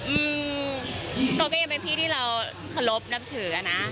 อืมเขาก็ยังเป็นพี่ที่เราเคารพนับถืออะนะ